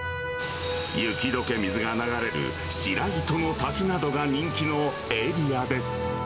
雪どけ水が流れる白糸の滝などが人気のエリアです。